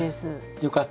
よかった。